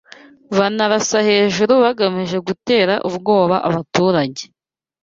banarasa hejuru bagamije gutera ubwoba abaturage